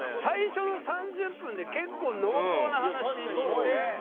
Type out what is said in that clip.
最初の３０分で結構濃厚な話してましたよ。